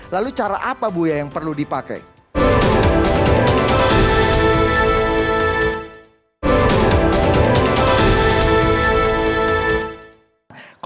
lalu cara apa bu ya yang perlu dipakai